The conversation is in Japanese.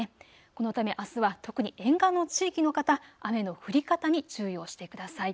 このため、あすは特に沿岸の地域の方、雨の降り方に注意をしてください。